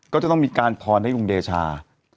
ก็จะต้องมีการพรให้ลุงเดชา